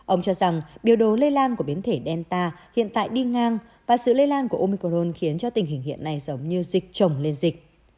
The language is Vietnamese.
ông cho rằng biểu đồ lây lan của biến thể delta hiện tại đi ngang và sự lây lan của omicron khiến cho tình hình hiện nay giống như dịch trồng lên dịch